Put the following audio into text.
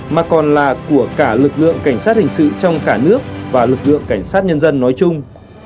mà còn là của cả lực lượng cảnh sát hình sự trong cả nước và lực lượng cảnh sát nhân dân nói chung